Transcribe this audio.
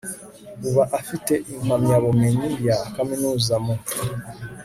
uba afite impamyabumenyi ya kaminuza mu